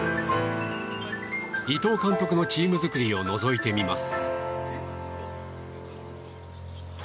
伊藤監督のチーム作りをのぞいてみます。